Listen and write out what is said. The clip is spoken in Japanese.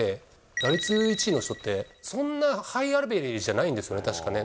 打率１位の人って、そんなハイアベレージじゃないんですよね、確かね。